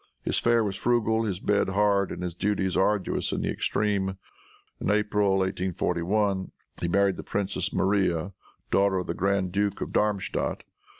His fare was frugal, his bed hard, and his duties arduous in the extreme. In April, 1841, he married the princess Maria, daughter of the Grand Duke of Darmstadt.